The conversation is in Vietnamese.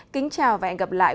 kính chào và hẹn gặp lại